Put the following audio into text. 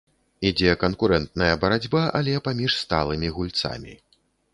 Ідзе канкурэнтная барацьба, але паміж сталымі гульцамі.